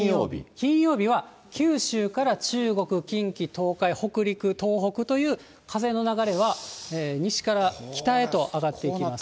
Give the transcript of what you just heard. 金曜日は九州から中国、近畿、東海、北陸、東北という風の流れは、西から北へと上がっていきます。